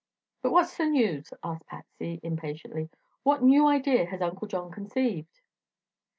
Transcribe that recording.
"But what's the news?" asked Patsy impatiently. "What new idea has Uncle John conceived?"